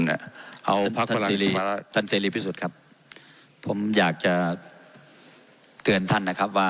เนี่ยเอาภักดิ์พลังผิดสุดครับผมอยากจะเตือนท่านครับว่า